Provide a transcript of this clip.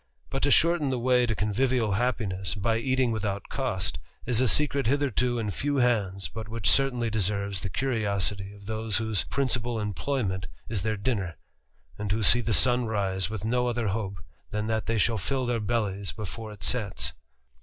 But to shorten the way to convivial happiness, by eating without cost, is a secret hitherto in few hands, but which certainly deserves the curiosity of those whose principal employment is their dinner, and who see the sun rise with no other hope than that they shall fill their bellies before it sets.